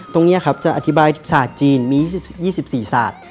ตรงนี้ครับจะอธิบายศาสตร์จีนมี๒๔ศาสตร์